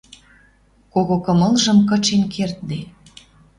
Кого кымылжым кычен кердде